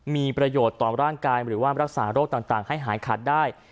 มีประโยชน์ต่อร่างกายหรือว่ารักษาโรคต่างให้หายขาดได้